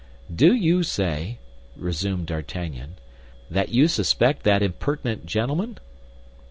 "Do you say," resumed D'Artagnan, "that you suspect that impertinent gentleman?"